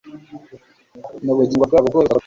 n ubugingo bwabo bwose bagakora